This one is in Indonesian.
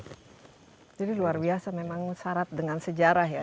jadi luar biasa memang syarat dengan sejarah ya